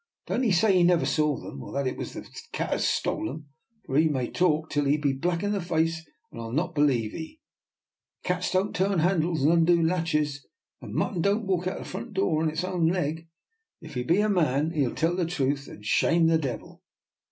Don't 'ee say 'ee never saw them, or that it was the cat as stole 'em, for 'ee may talk till 'ee be black in the face and Til not believe 'ee. Cats don't turn handles and undo latches, and mut ton don't walk out of the front door on its own leg. If 'ee be a man, 'ee'U tell the truth an' shame the devil."